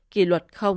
kỳ luật